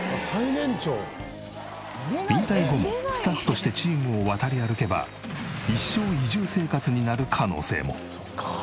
引退後もスタッフとしてチームを渡り歩けば一生移住生活になる可能性も。